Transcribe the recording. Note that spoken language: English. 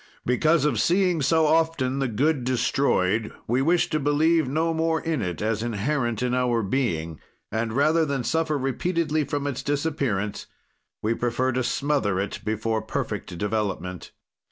"Because of seeing so often the good destroyed, we wish to believe no more in it as inherent in our being, and rather than suffer repeatedly from its disappearance, we prefer to smother it before perfect development.